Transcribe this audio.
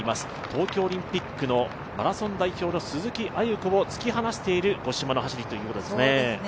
東京オリンピックのマラソン代表の鈴木亜由子を突き放している五島の走りということですね。